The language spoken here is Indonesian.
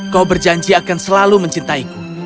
kau berjanji akan selalu mencintaiku